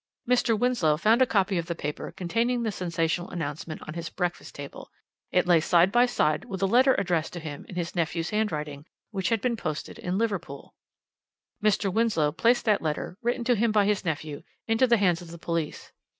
"Mr. Winslow found a copy of the paper containing the sensational announcement on his breakfast table. It lay side by side with a letter addressed to him in his nephew's handwriting, which had been posted in Liverpool. "Mr. Winslow placed that letter, written to him by his nephew, into the hands of the police.